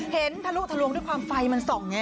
ทะลุทะลวงด้วยความไฟมันส่องไง